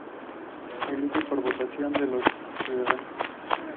Se elige por votación de los ciudadanos.